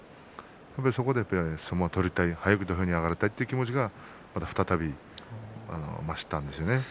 そこで相撲を取りたい早く土俵に上がりたいという気持ちが再び増したんですよね。